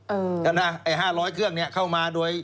เออก็น่า๕๐๐เครื่องเข้ามาโดย